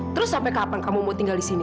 terus sampai kapan kamu mau tinggal di sini